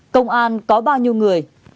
công an có bao nhiêu người